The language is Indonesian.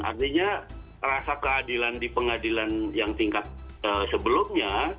artinya rasa keadilan di pengadilan yang tingkat sebelumnya